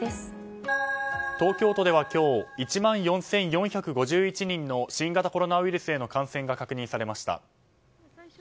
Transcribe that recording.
東京都では今日１万４４５１人の新型コロナウイルスへの感染が確認されました。